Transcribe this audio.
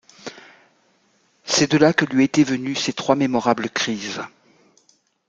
C’est de là que lui étaient venues ces trois mémorables crises.